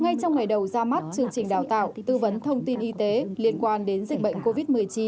ngay trong ngày đầu ra mắt chương trình đào tạo tư vấn thông tin y tế liên quan đến dịch bệnh covid một mươi chín